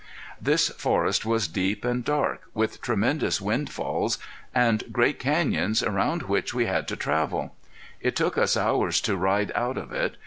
This forest was deep and dark, with tremendous windfalls, and great canyons around which we had to travel. It took us hours to ride out of it.